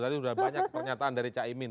tadi sudah banyak pernyataan dari cah imin